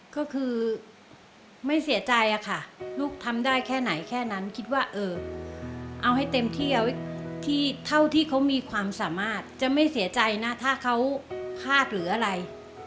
ก็คือไม่เสียใจอะค่ะลูกทำได้แค่ไหนแค่นั้นคิดว่าเออเอาให้เต็มที่เอาไว้ที่เท่าที่เขามีความสามารถจะไม่เสียใจนะถ้าเขาพลาดหรืออะไร